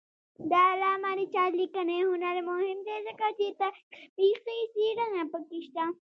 د علامه رشاد لیکنی هنر مهم دی ځکه چې تطبیقي څېړنه پکې شته.